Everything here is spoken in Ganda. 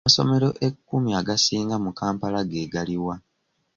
Amasomero ekkumi agasinga mu Kampala ge galiwa?